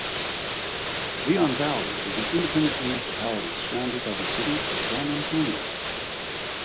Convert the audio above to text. Leon Valley is an independent municipality surrounded by the city of San Antonio.